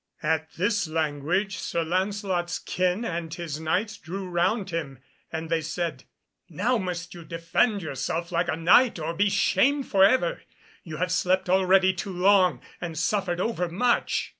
At this language Sir Lancelot's kin and his Knights drew round him, and they said, "Now must you defend yourself like a Knight or be shamed for ever. You have slept already too long and suffered overmuch."